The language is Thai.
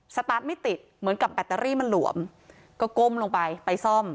สตาร์ทไม่ติดเหมือนกับแบตเตอรี่มันหลวมก็ก้มลงไปไปซ่อม